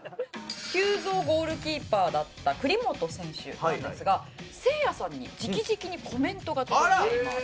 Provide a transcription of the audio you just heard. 急造ゴールキーパーだった栗本選手なんですがせいやさんに直々にコメントが届いています。